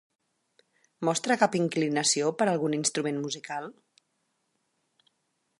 Mostra cap inclinació per algun instrument musical?